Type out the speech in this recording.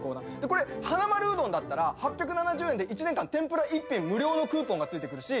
これはなまるうどんだったら８７０円で１年間天ぷら１品無料のクーポンがついてくるし。